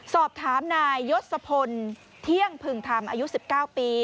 สอบถามนายยศพลเที่ยงพึงธรรมอายุ๑๙ปี